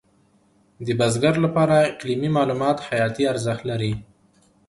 د بزګر لپاره اقلیمي معلومات حیاتي ارزښت لري.